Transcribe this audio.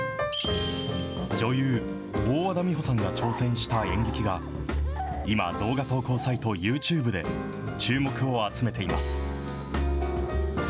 女優、大和田美帆さんが挑戦した演劇が、今、動画投稿サイト、ユーチューブで注目を集めています。